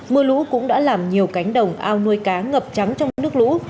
mưa lũ cũng đã làm nhiều cánh đồng ao nuôi cá ngập trắng trong nước lũ